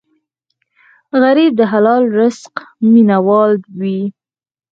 غریب د حلال رزق مینه وال وي